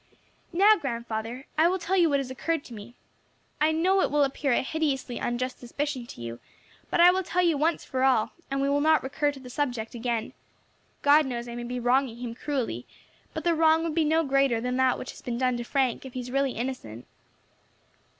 "Now, grandfather, I will tell you what has occurred to me. I know it will appear a hideously unjust suspicion to you, but I will tell you once for all, and we will not recur to the subject again; God knows I may be wronging him cruelly, but the wrong would be no greater than that which has been done to Frank if he is really innocent.